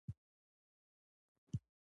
آیا د غنمو تورکي ناروغي درملنه لري؟